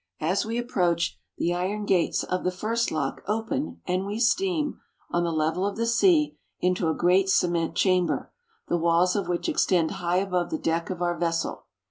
As we approach, the iron gates of the first lock open and we steam, on the level of the sea, into a great cement chamber, the walls of which extend high above the deck of our vessel.